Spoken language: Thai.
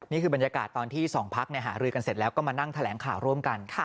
นี่คือบรรยากาศตอนที่๒พักหารือกันเสร็จแล้วก็มานั่งแถลงข่าวร่วมกัน